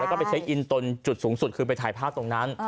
แล้วก็ไปเช็คอินตนจุดสูงสุดคือไปถ่ายภาพตรงนั้น